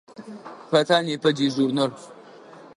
Хэта непэ дежурнэр?